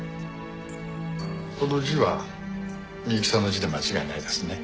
この字は美雪さんの字で間違いないですね？